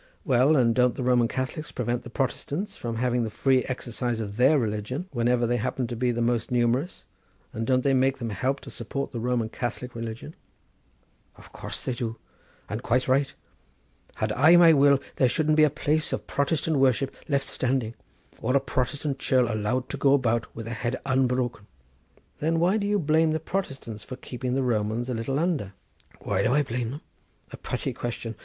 "Well, and don't the Roman Catholics prevent the Protestants from having the free exercise of their religion, whenever they happen to be the most numerous, and don't they make them help to support the Roman Catholic religion?" "Of course they do, and quite right. Had I my will there shouldn't be a place of Protestant worship left standing, or a Protestant churl allowed to go about with a head unbroken." "Then why do you blame the Protestants for keeping the Romans a little under?" "Why do I blame them? A purty question!